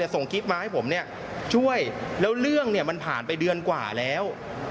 ส่งคลิปมาให้ผมช่วยแล้วเรื่องมันผ่านไปเดือนกว่าแล้ว